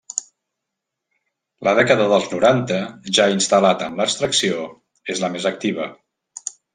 La dècada dels noranta, ja instal·lat en l’abstracció, és la més activa.